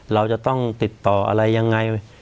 เราจะต้องติดต่ออะไรยังไง